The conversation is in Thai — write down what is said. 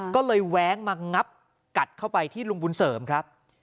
ก็เลยแว้งมางับกัดเข้าไปที่ลุงบุญเสริมครับ